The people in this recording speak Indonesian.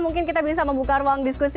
mungkin kita bisa membuka ruang diskusi